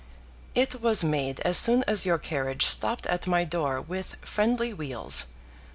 "It was made as soon as your carriage stopped at my door with friendly wheels.